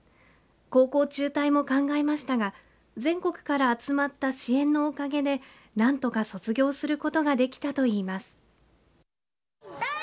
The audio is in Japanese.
高校中退も考えましたが全国から集まった支援のおかげで何とか卒業することができたといいます。